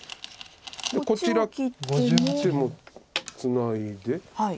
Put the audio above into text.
こちら切ってもツナいで。